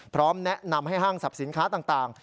พร้อมแนะนำให้ห้างสรรพสินค้าต่าง